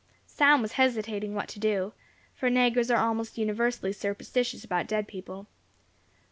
Sam was hesitating what to do for negroes are almost universally superstitious about dead people.